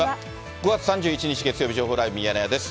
５月３１日月曜日、情報ライブミヤネ屋です。